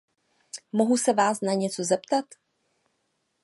Mohu se vás na něco zeptat?